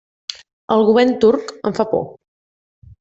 El govern turc em fa por.